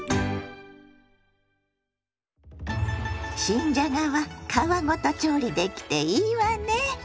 新じゃがは皮ごと調理できていいわね。